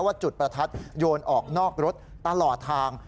จุดประทัดโยนออกนอกรถตลอดทาง